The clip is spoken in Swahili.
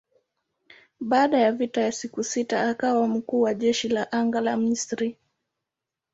Baada ya vita ya siku sita akawa mkuu wa jeshi la anga la Misri.